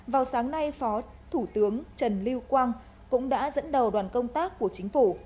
vào sáng nay phó thủ tướng trần lưu quang cũng đã dẫn đầu đoàn công tác của chính phủ